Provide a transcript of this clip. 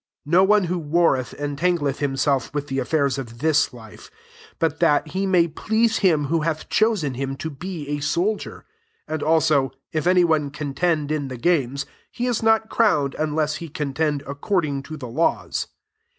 4 No one who warreth en tangleth himself with the af fairs of this life; but that he may please him who hath chosen him to be a soldier. 5 And a^so if any. one contend in the games ^ he is not crowned unless he contend according to the laws.